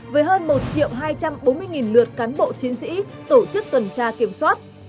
với hơn một hai trăm bốn mươi lượt cán bộ chiến sĩ tổ chức tuần tra kiểm soát